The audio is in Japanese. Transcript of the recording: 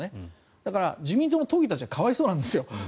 だから、自民党の都議たちは可哀想なんですよ。